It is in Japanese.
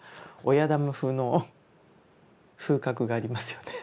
親玉風の風格がありますよね。